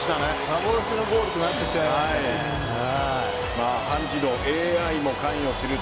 幻のゴールとなってしまいました。